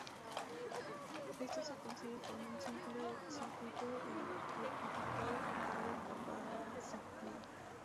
Esto se consigue con un simple circuito rectificador con carga capacitiva.